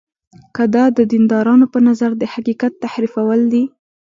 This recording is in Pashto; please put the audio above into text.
که دا د دیندارانو په نظر د حقیقت تحریفول دي.